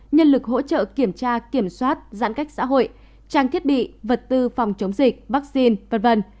nhân lực hỗ trợ kiểm tra kiểm soát giãn cách xã hội trang thiết bị vật tư phòng chống dịch vaccine v v